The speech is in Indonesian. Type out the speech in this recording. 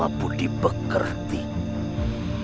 semua yang saya tahu